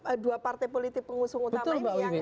jadi dua partai politik pengusung utama ini